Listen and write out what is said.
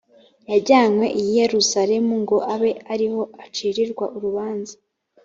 yajyanywe i yerusalemu ngo abe ari ho acirirwa urubanza